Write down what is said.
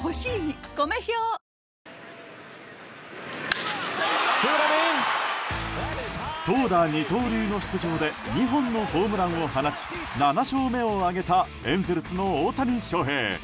ニトリ投打二刀流の出場で２本のホームランを放ち７勝目を挙げたエンゼルスの大谷翔平。